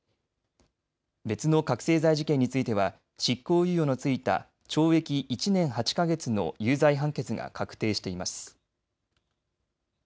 別の覚醒剤事件については執行猶予の付いた懲役１年８か月の有罪判決が確定しています。